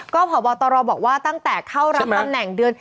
ก็พบตรบอกว่าตั้งแต่เข้ารับตำแหน่งเดือน